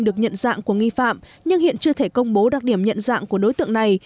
được nhận dạng của nghi phạm nhưng hiện chưa thể công bố đặc điểm nhận dạng của đối tượng này